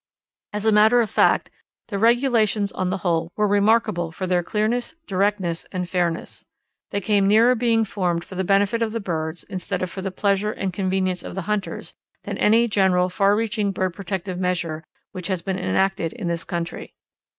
As a matter of fact, the regulations on the whole were remarkable for their clearness, directness, and fairness. They came nearer being formed for the benefit of the birds instead of for the pleasure and convenience of the hunters, than any general far reaching bird protective measure, which has been enacted in this country.